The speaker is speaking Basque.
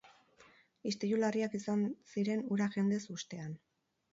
Istilu larriak izan ziren hura jendez hustean.